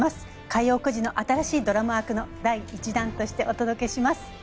火曜９時の新しいドラマ枠の第１弾としてお届けします。